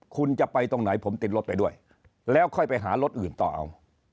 คุณจะไปตรงไหนผมติดรถไปด้วยแล้วค่อยไปหารถอื่นต่อเอา